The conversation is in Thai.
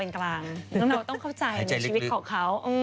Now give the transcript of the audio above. เป็นกลางนั่นเราต้องเข้าใจในชีวิตของเขา